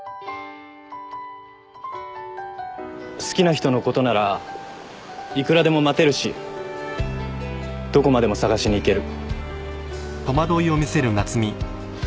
好きな人のことならいくらでも待てるしどこまでも捜しに行ける。